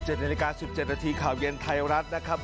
เจ็บในฤกษา๑๗นาทีข่าวเย็นไทยรัฐนะครับ